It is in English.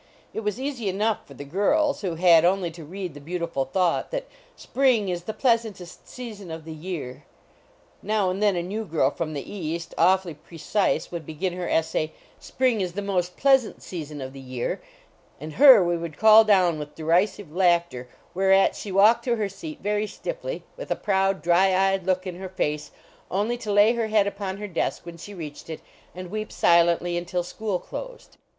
It was easy enough for the girls, who had only to read the beautiful thought that "spring is the pleasantest season of the year." Now and then a new girl, from the east, awfully pre cise, would begin her essay " spring is the most pleasant season of the year," and her would we call down with derisive laughter, whereat she walked to her seat, very stiffly, with a proud dry eyed look in her face, only to lay her head upon her desk when she reached it, and weep silently until school closed.